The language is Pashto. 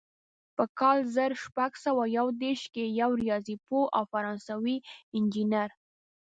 په کال زر شپږ سوه یو دېرش کې یو ریاضي پوه او فرانسوي انجینر.